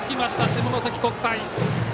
下関国際。